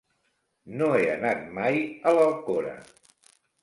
No he anat mai a l'Alcora.